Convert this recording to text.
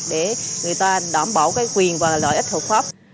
để người ta đảm bảo cái quyền và lợi ích hợp pháp